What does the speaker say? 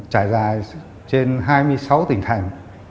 trải dài trên hai mươi sáu tỉnh thái